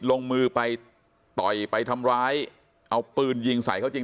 ลงมือไปต่อยไปทำร้ายเอาปืนยิงใส่เขาจริง